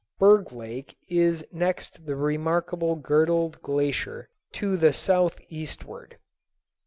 Berg Lake is next the remarkable Girdled Glacier to the southeastward.